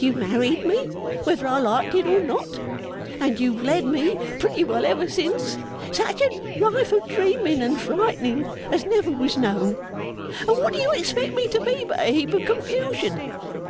You married me whether I liked it or not, and you've led me, pretty well ever since, such a life of dreaming and frightening as never was known, and what do you expect me to be but a heap of confusion?